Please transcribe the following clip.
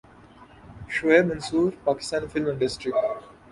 Shoaib Mansoor Pakistani film industry